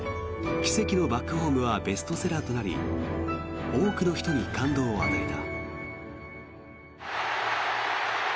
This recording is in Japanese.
「奇跡のバックホーム」はベストセラーとなり多くの人に感動を与えた。